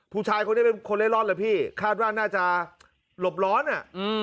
ผู้ชายคนนี้เป็นคนเล่นร่อนเหรอพี่คาดว่าน่าจะหลบร้อนอ่ะอืม